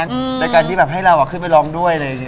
ในการจะนะให้เราขึ้นไปร้องด้วยเลย